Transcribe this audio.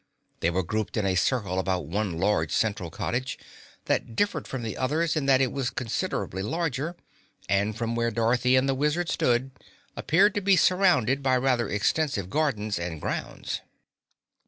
They were grouped in a circle about one large central cottage that differed from the others in that it was considerably larger, and, from where Dorothy and the Wizard stood, appeared to be surrounded by rather extensive gardens and grounds.